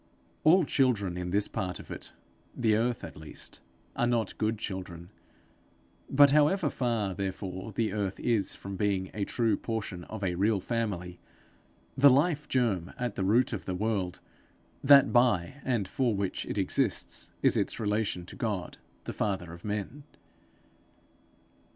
All the children in this part of it, the earth, at least, are not good children; but however far, therefore, the earth is from being a true portion of a real family, the life germ at the root of the world, that by and for which it exists, is its relation to God the father of men.